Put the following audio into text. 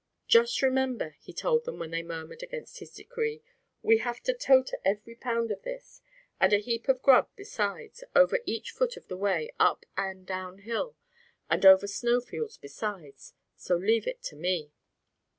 "Just remember," he told them when they murmured against his decree, "we have to tote every pound of this, and a heap of grub besides, over each foot of the way, up and down hill, and over snow fields besides. So leave it to me."